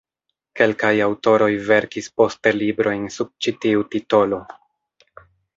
Kelkaj aŭtoroj verkis poste librojn sub ĉi tiu titolo.